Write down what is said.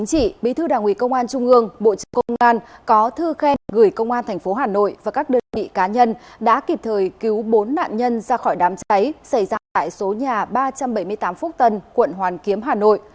có thư khen gửi công an thành phố hà nội và các đơn vị cá nhân đã kịp thời cứu bốn nạn nhân ra khỏi đám cháy xảy ra tại số nhà ba trăm bảy mươi tám phúc tân quận hoàn kiếm hà nội